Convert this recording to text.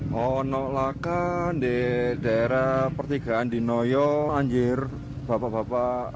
kau tidak akan di daerah pertigaan di noyo anjir bapak bapak